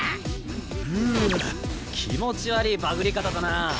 うわっ気持ち悪ぃバグり方だな。